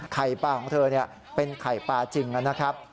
ไข่ปลาของเธอเป็นไข่ปลาจริงนะครับ